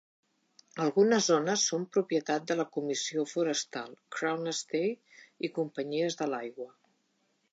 Altres zones són propietat de la Comissió Forestal, Crown Estate i companyies de l'aigua.